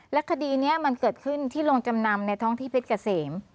คดีนี้มันเกิดขึ้นที่โรงจำนำในท้องที่เพชรเกษม